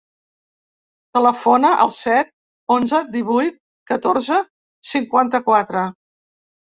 Telefona al set, onze, divuit, catorze, cinquanta-quatre.